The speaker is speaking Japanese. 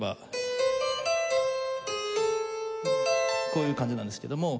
こういう感じなんですけども。